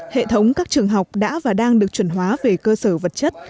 hệ thống các trường học đã và đang được chuẩn hóa về cơ sở vật chất